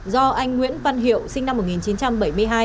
do anh nguyễn văn hiệu sinh năm một nghìn chín trăm bảy mươi hai